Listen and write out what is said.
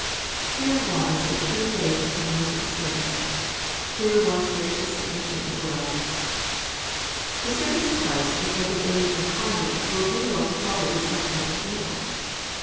Here was the true faith and humility of saints! Here was gracious submission of Willi' The servants of Christ, in every age and climate, will do well to follow this excellent example.